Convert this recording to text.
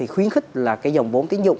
khuyến khích là dòng vốn tính dụng